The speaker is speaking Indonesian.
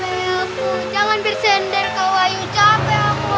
aduh jangan bersender kau ayo capek